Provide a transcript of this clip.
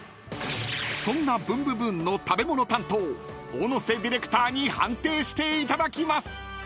［そんな『ブンブブーン！』の食べ物担当小野瀬ディレクターに判定していただきます］